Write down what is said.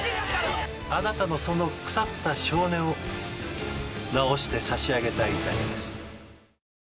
あなたのその腐った性根を直して差し上げたいだけです。